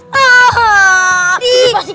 kamu tadi pengejak